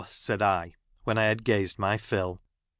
said I, when I had gazed ray fill.